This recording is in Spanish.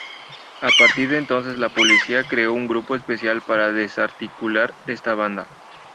A partir de entonces la policía creó un grupo especial para desarticular esta banda.